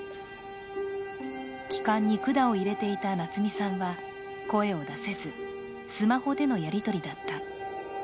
気管に管を入れていた夏美さんは声を出せず、スマホでのやり取りだった。